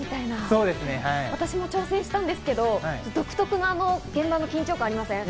私も挑戦したんですけど、独特な現場の緊張感がありません？